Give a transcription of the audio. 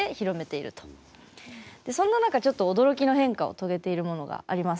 そんな中ちょっと驚きの変化を遂げているものがあります。